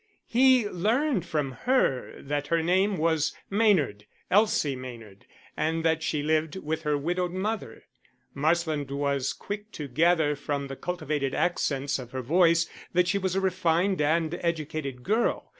He learned from her that her name was Maynard Elsie Maynard and that she lived with her widowed mother. Marsland was quick to gather from the cultivated accents of her voice that she was a refined and educated girl.